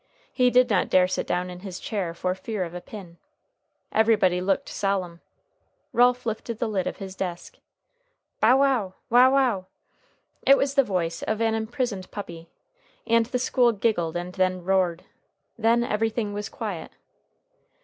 He did not dare sit down in his chair for fear of a pin. Everybody looked solemn. Ralph lifted the lid of his desk. "Bow wow! wow wow!" It was the voice of an imprisoned puppy, and the school giggled and then roared. Then everything was quiet.